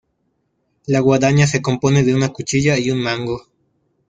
La guadaña se compone de una cuchilla y un mango.